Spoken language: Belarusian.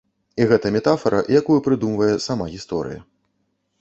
І гэта метафара, якую прыдумвае сама гісторыя.